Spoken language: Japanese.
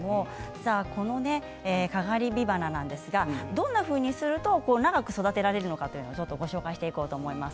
このかがり火花なんですがどんなふうにすると長く育てられるのかご紹介していこうと思います。